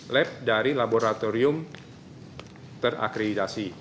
lab dari laboratorium terakreditasi